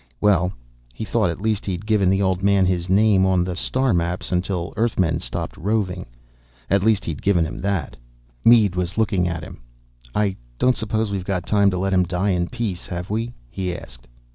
Well, he thought, at least he'd given the old man his name on the star maps until Earthmen stopped roving. At least he'd given him that. Mead was looking at him. "I don't suppose we've got time to let him die in peace, have we?" he asked.